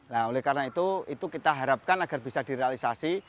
nah oleh karena itu itu kita harapkan agar bisa direalisasi